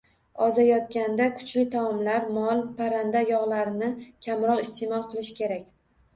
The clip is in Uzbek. Ozayotganda kuchli taomlar, mol, parranda yog‘larini kamroq iste’mol qilish kerak.